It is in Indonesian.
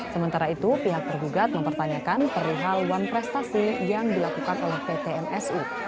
sementara itu pihak tergugat mempertanyakan perihaluan prestasi yang dilakukan oleh pt msu